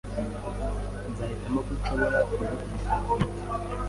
Nzahitamo ko nshobora kugukubita ku giti